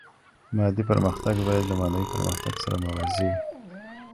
مادي پرمختګ باید له معنوي پرمختګ سره موازي وي.